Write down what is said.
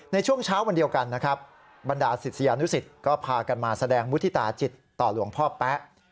ในช่วงเช้าเมื่อเดียวกันบรรดาศิษยานุศิษย์ก็พากันมาแสดงมุฒิตาจิตต่อหลวงพ่อแป๊บ